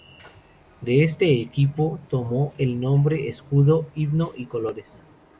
De este equipo tomó el nombre, escudo, himno y colores.